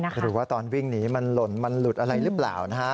หรือว่าตอนวิ่งหนีมันหล่นมันหลุดอะไรหรือเปล่านะฮะ